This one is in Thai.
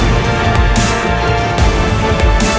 สนุนโดยโพธาไลน์เลเชอร์พาร์ค